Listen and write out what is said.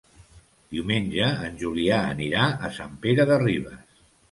Diumenge en Julià anirà a Sant Pere de Ribes.